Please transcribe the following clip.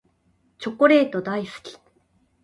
チョコレート大好き。